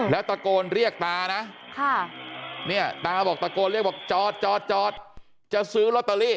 แล้วตะโกนเรียกตานะเนี่ยตาบอกตะโกนเรียกบอกจอดจอดจะซื้อลอตเตอรี่